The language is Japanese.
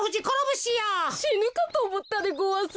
しぬかとおもったでごわす。